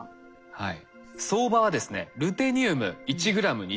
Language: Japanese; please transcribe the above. はい。